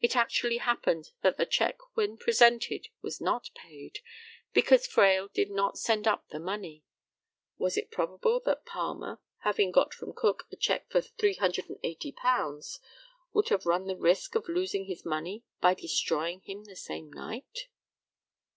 It actually happened that the cheque when presented was not paid, because Fraill did not send up the money. Was it probable that Palmer, having got from Cook a cheque for £380, would have run the risk of losing his money by destroying him the same night?